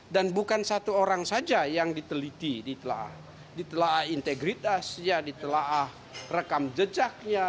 bukan satu orang saja yang diteliti ditelah integritasnya ditelaah rekam jejaknya